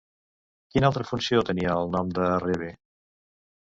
Quina altra funció tenia el nom de Reve?